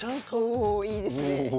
おいいですね。